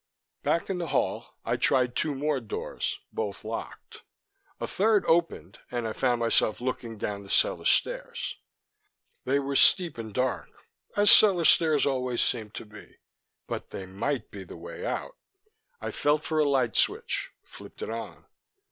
Back in the hall, I tried two more doors, both locked. A third opened, and I found myself looking down the cellar stairs. They were steep and dark as cellar stairs always seem to be, but they might be the way out. I felt for a light switch, flipped it on.